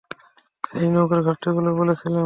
এই নৌকার ঘাটতিগুলো বলেছিলাম।